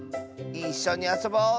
いっしょにあそぼう！